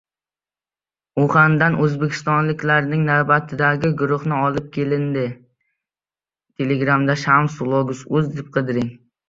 Uxandan o‘zbekistonliklarning navbatdagi guruhi olib kelindi